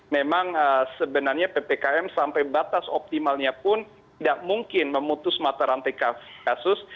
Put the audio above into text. memang sebenarnya ppkm sampai batas optimalnya pun tidak mungkin memutus mata rantai kasus